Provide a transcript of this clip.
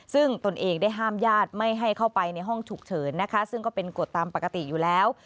ซึ่งตนเองได้ห้ามญาติไม่ให้เข้าไปในห้องฉุกเฉินนะคะซึ่งก็เป็นกฎตามปกติอยู่แล้ว